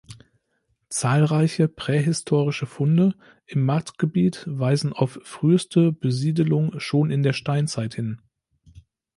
Zahlreiche prähistorische Funde im Marktgebiet weisen auf früheste Besiedelung schon in der Steinzeit hin.